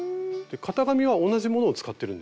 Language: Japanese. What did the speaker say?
型紙は同じものを使ってるんですか？